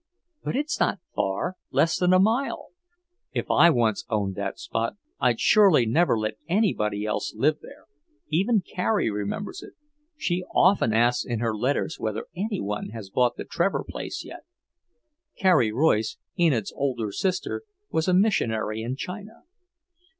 "But it's not far, less than a mile. If I once owned that spot, I'd surely never let anybody else live there. Even Carrie remembers it. She often asks in her letters whether any one has bought the Trevor place yet." Carrie Royce, Enid's older sister, was a missionary in China.